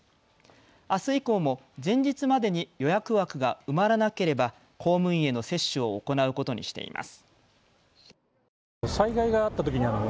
あす以降も前日までに予約枠が埋まらなければ公務員への接種を行うことにしています。